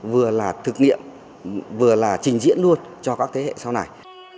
vừa là thực nghiệm vừa là trình diễn luôn cho các thế hệ sau này